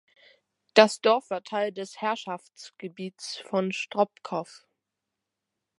Das Dorf war Teil des Herrschaftsgebiets von Stropkov.